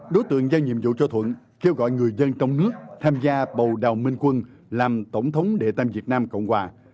đối tượng giao nhiệm vụ cho thuận kêu gọi người dân trong nước tham gia bầu đào minh quân làm tổng thống đệ tam việt nam cộng hòa